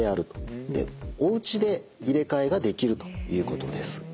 でおうちで入れ替えができるということです。